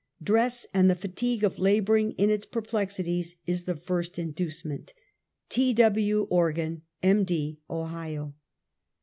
.Dress and the fatigue of laboring in its perplexities is the first in ducement. T. W. Organ, M. D., Ohio.